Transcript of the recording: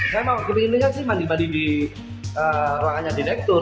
saya mau kepinginan sih mandi madi di ruangannya direktur